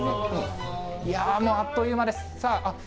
いやー、もうあっという間です。